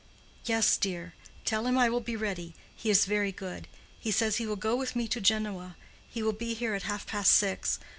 "Yes, dear. Tell him I will be ready—he is very good. He says he will go with me to Genoa—he will be here at half past six.